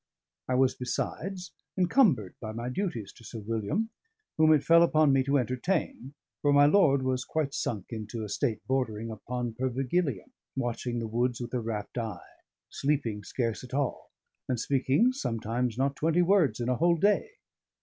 I was besides encumbered by my duties to Sir William, whom it fell upon me to entertain; for my lord was quite sunk into a state bordering on pervigilium, watching the woods with a rapt eye, sleeping scarce at all, and speaking sometimes not twenty words in a whole day.